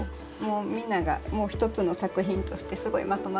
みんなが一つの作品としてすごいまとまってますね。